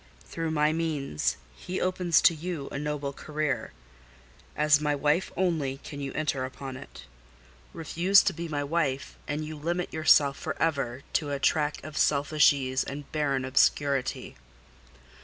Through my means, He opens to you a noble career; as my wife only can you enter upon it. Refuse to be my wife, and you limit yourself for ever to a track of selfish ease and barren obscurity.